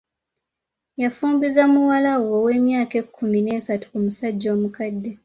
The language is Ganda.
Yafumbiza muwala we ow'emyaka ekkumi n'esatu ku musajja omukadde.